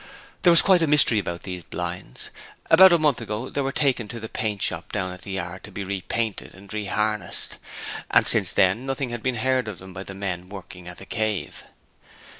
There was quite a mystery about these blinds. About a month ago they were taken to the paint shop down at the yard to be repainted and re harnessed, and since then nothing had been heard of them by the men working at the 'Cave'.